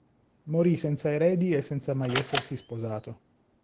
Morì senza eredi e senza mai essersi sposato.